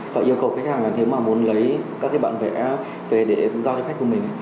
và yêu cầu khách hàng là nếu mà muốn lấy các cái bạn vẽ về để giao cho khách của mình